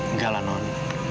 nggak lah non